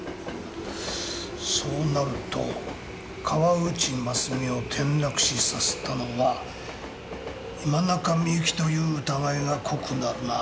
そうなると河内ますみを転落死させたのは今中みゆきという疑いが濃くなるな。